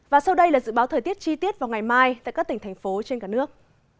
và sau đây là dự báo thời tiết chi tiết vào ngày mai tại các tỉnh thành phố trên cả nước